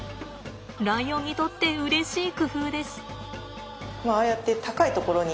ライオンにとってうれしい工夫です。